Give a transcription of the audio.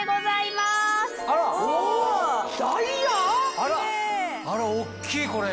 あら大っきいこれ。